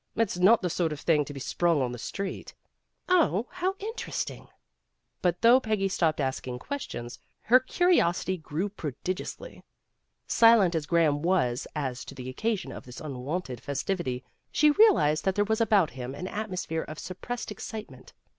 It's not the sort of thing to be sprung on the street." "Oh, how interesting!" But though Peggy stopped asking questions, her curiosity grew PEGGY COMES TO A DECISION 245 prodigiously. Silent as Graham was as to the occasion of this unwonted festivity, she real ized that there was about him an atmosphere of suppressed excitement.